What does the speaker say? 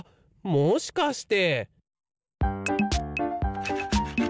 もしかして！